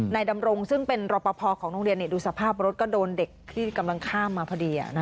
ดำรงซึ่งเป็นรอปภของโรงเรียนดูสภาพรถก็โดนเด็กที่กำลังข้ามมาพอดี